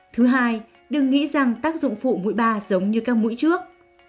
thứ hai đừng nghĩ rằng tác dụng phụ mũi ba giống như các mũi trước